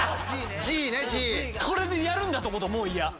これでやるんだと思うともう嫌。